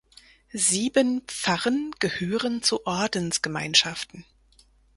Sieben Pfarren gehören zu Ordensgemeinschaften.